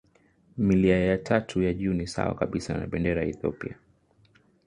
Milia ya tatu ya juu ni sawa kabisa na bendera ya Ethiopia.